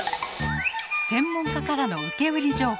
専門家からの受け売り情報。